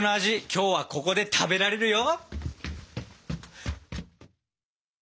今日はここで食べられるよ。